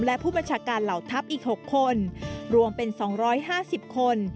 และผู้บัญชาการเหล่าทัพอีก๖คนรวมเป็น๒๕๐คน